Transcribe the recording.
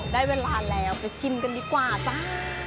ได้เวลาแล้วไปชิมกันดีกว่าจ้า